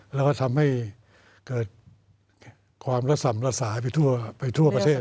แล้วก็ทำให้เกิดความระส่ำระสายไปทั่วประเทศ